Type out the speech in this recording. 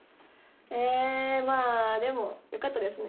えまぁでもよかったですね。